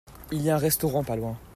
Il y a un restaurant pas loin.